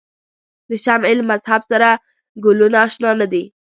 د شمعې له مذهب سره ګلونه آشنا نه دي.